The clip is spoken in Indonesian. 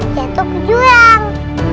jatuh ke jurang